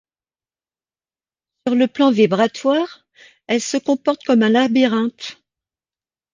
Sur le plan vibratoire, elle se comporte comme un labyrinthe.